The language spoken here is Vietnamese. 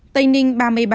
tây ninh ba mươi ba